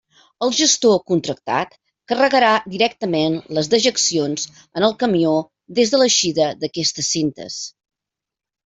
El gestor contractat carregarà directament les dejeccions en el camió des de l'eixida d'aquestes cintes.